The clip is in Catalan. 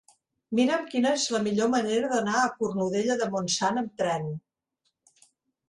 Mira'm quina és la millor manera d'anar a Cornudella de Montsant amb tren.